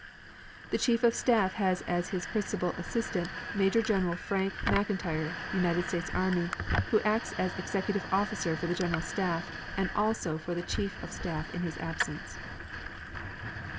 The Chief of Staff has as his principal assistant Major General Frank McIntyre, United States army, who acts as executive officer for the General Staff and also for the Chief of Staff in his absence.